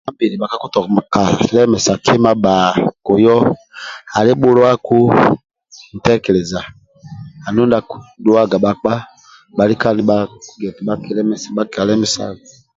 Bhakitoka telemisabe mikia kima bba kuyo alibhulwaku ntekeleza andulu ndia akidhuaga bhakpa bhalika nibhakigua eti bhali kalemesako